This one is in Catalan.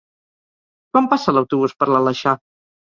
Quan passa l'autobús per l'Aleixar?